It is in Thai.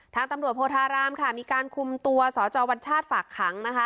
ทางตำรวจโพธารามค่ะมีการคุมตัวสจวัญชาติฝากขังนะคะ